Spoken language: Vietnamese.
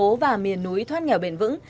thành phố và miền núi thoát nghèo bền vững